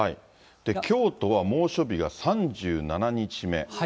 京都は猛暑日が３７日目。